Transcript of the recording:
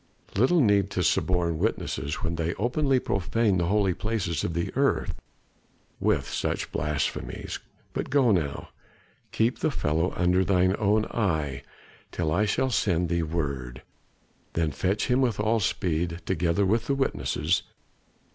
"Little need to suborn witnesses when they openly profane the holy places of the earth with such blasphemies. But go now; keep the fellow under thine own eye till I shall send thee word, then fetch him with all speed, together with the witnesses.